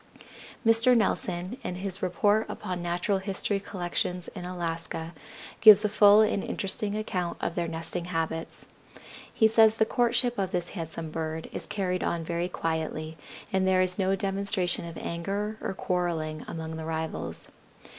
Mr. Nelson, in his "Report Upon Natural History Collections in Alaska," gives a full and interesting account of their nesting habits. He says the courtship of this handsome bird is carried on very quietly, and there is no demonstration of anger or quarreling among the rivals.